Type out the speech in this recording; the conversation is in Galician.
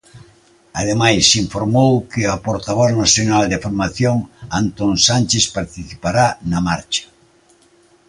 Ademais, informou que o portavoz nacional da formación, Antón Sánchez, participará na marcha.